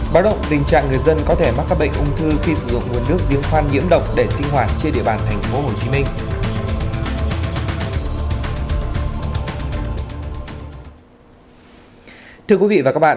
báo động tình trạng người dân có thể mắc các bệnh ung thư khi sử dụng nguồn